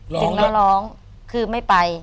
ถึงแล้วร้องคือไม่ไป